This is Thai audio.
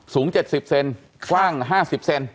สูง๗๐เซนกว้าง๕๐เซน